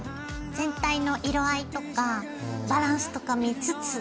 全体の色合いとかバランスとか見つつ。